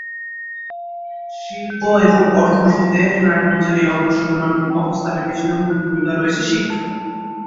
শিল্প এবং অর্থনীতিতে নারায়ণগঞ্জের এই অগ্রসরমান অবস্থানের পিছনে মূল ভূমিকা রয়েছে শিক্ষার।